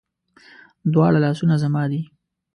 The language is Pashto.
دواړه لاسونه زما دي